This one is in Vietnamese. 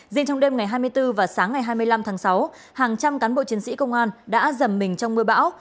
riêng trong đêm ngày hai mươi bốn và sáng ngày hai mươi năm tháng sáu hàng trăm cán bộ chiến sĩ công an đã dầm mình trong mưa bão